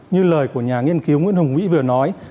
như lời của nhà nghiên cứu nguyễn hồng vĩ vừa nói